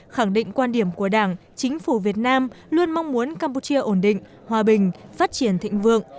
khẳng định quan điểm của đảng chính phủ việt nam luôn mong muốn campuchia ổn định hòa bình phát triển thịnh vượng